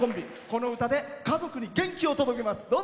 この歌で家族に元気を届けます。